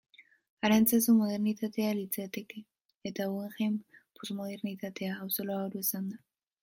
Arantzazu modernitatea litzateke, eta Guggenheim, posmodernitatea, oso labur esanda.